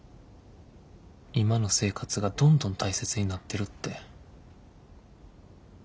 今の生活がどんどん大切になってるって。